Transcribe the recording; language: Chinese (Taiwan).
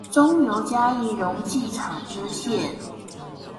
中油嘉義溶劑廠支線